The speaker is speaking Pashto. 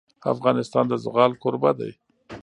افغانستان د زغال کوربه دی.